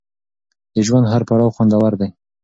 د ژوند هر پړاو خوندور دی.